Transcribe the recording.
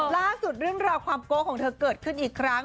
เรื่องราวความโก้ของเธอเกิดขึ้นอีกครั้ง